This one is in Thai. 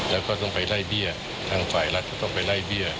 แล้วก็ต้องไปไล่เบี้ยทางฝ่ายรัฐก็ต้องไปไล่เบี้ย